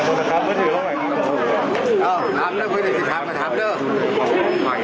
ซึ่งใครใช้ความวิทยาลืมคนนะครับได้ถูกคุ้มตัว